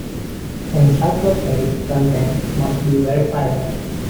Encyclopedic content must be verifiable.